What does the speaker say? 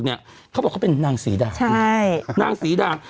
เขาบอกเขาเป็นนางสีดาก